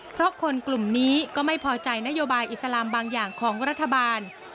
เพราะคนกลุ่มนี้ก็ไม่พอใจนโยบายอิสลามบางอย่างของรัฐบาล